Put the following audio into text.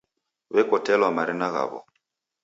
W'ekotelwa marina ghawo